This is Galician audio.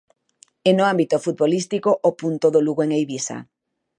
E no ámbito futbolístico, o punto do Lugo en Eivisa.